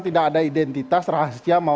tidak ada identitas rahasia mau